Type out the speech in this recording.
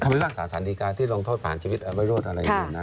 พิพากษาสารดีการที่ลงโทษผ่านชีวิตเอาไว้โทษอะไรอยู่นะ